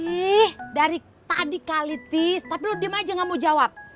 ih dari tadi kali tis tapi lu dimana aja gak mau jawab